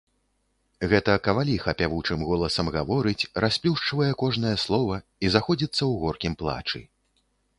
Гэта каваліха пявучым голасам гаворыць, расплюшчвае кожнае слова і заходзіцца ў горкім плачы.